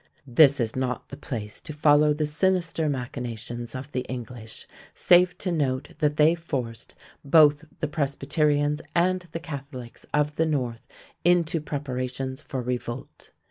This is not the place to follow the sinister machinations of the English, save to note that they forced both the Presbyterians and the Catholics of the north into preparations for revolt.